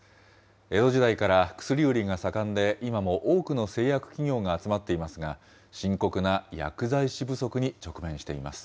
江戸時代から薬売りが盛んで、今も多くの製薬企業が集まっていますが、深刻な薬剤師不足に直面しています。